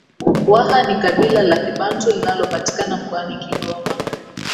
Waha ni kabila la Kibantu linalopatikana Mkoani Kigoma